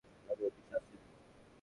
আমি ওকে শাস্তি দিব।